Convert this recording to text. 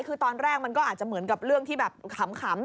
คือตอนแรกมันก็อาจจะเหมือนกับเรื่องที่แบบขำ